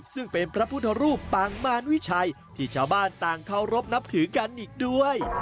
ซึ่งเป็นพระพุทธรูปปางมารวิชัยที่ชาวบ้านต่างเคารพนับถือกันอีกด้วย